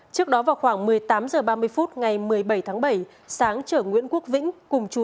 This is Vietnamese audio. trước đó vào khoảng một mươi tám h ba mươi phút ngày một mươi bảy tháng bảy sáng chở nguyễn quốc vĩnh cùng chú